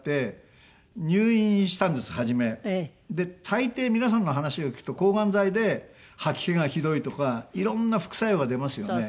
大抵皆さんの話を聞くと抗がん剤で吐き気がひどいとかいろんな副作用が出ますよね。